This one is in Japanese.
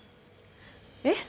えっ？